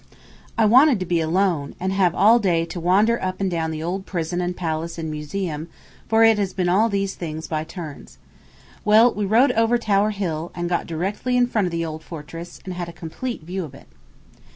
I wanted to be alone, and have all day to wander up and down the old prison and palace and museum, for it has been all these things by turns. Well, we rode over Tower Hill, and got directly in front of the old fortress, and had a complete view of it.